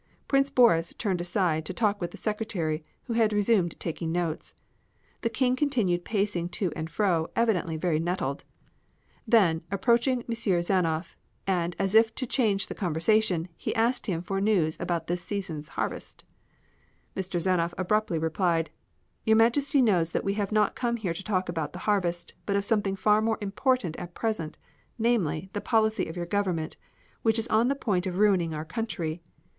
Prince Boris turned aside to talk with the Secretary, who had resumed taking notes. The King continued pacing to and fro, evidently very nettled. Then, approaching M. Zanoff, and as if to change the conversation, he asked him for news about this season's harvest. M. Zanoff abruptly replied: "Your Majesty knows that we have not come here to talk about the harvest, but of something far more important at present, namely, the policy of your Government, which is on the point of ruining our country.